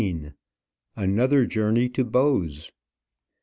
ANOTHER JOURNEY TO BOWES.